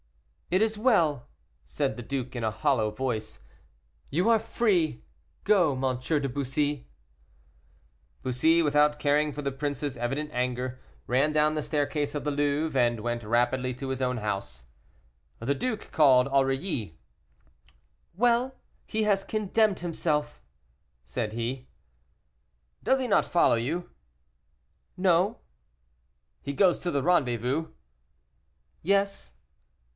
"It is well!" said the duke, in a hollow voice, "you are free; go, M. de Bussy." Bussy, without caring for the prince's evident anger, ran down the staircase of the Louvre, and went rapidly to his own house. The duke called Aurilly. "Well! he has condemned himself," said he. "Does he not follow you?" "No." "He goes to the rendezvous?" "Yes."